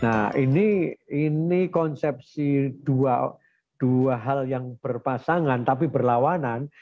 nah ini konsepsi dua hal yang berpasangan tapi berlawanan